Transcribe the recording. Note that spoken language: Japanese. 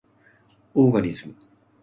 オーガズム